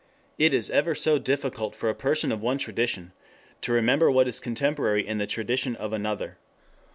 It is ever so difficult for a person of one tradition to remember what is contemporary in the tradition of another.